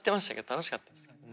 楽しかったですけどね。